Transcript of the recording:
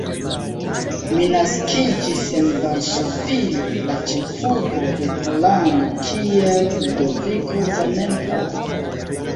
Mi naskiĝis en Varsovio, la ĉefurbo de Pollando kiel Ludoviko Zamenhof.